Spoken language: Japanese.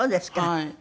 はい。